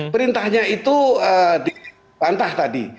perintahnya itu pantah tadi